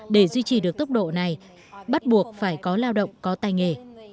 để duy trì được tốc độ này bắt buộc phải có lao động có tài nghề